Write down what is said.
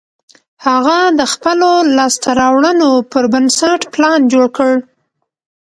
هغه د خپلو لاسته رواړنو پر بنسټ پلان جوړ کړ